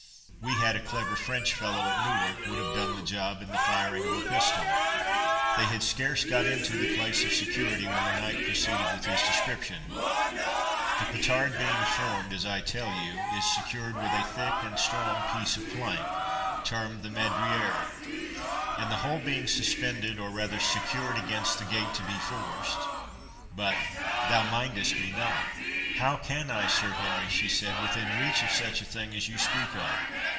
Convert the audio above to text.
We had a clever French fellow at Newark would have done the job in the firing of a pistol." They had scarce got into the place of security when the knight proceeded with his description.—"The petard being formed, as I tell you, is secured with a thick and strong piece of plank, termed the madrier, and the whole being suspended, or rather secured against the gate to be forced—But thou mindest me not?" "How can I, Sir Henry," she said, "within reach of such a thing as you speak of?